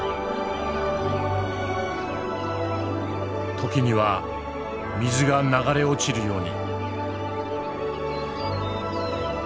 時には水が流れ落ちるように。